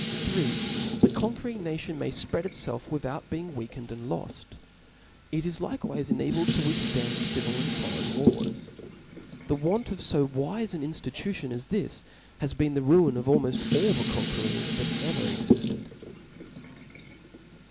3. The conquering n^i* tion nfiay fpread itfelf without being weakened and loft. It is likcwife enabled to withftand civil and foreign wars. The want of fo wife an inftitution as this, has been the ruin of almpft all the con querors that ever exiftcd.